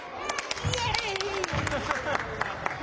イエイ。